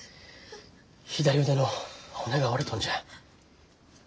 左腕の骨が折れとんじゃ。